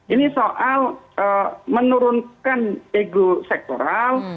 ini soal menurunkan ego sektoral